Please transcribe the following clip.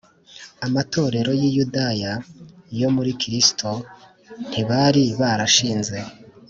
amatorero yiyudaya yo muri Kristo ntibari barashinze